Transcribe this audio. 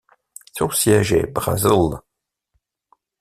Son siège est Brazil.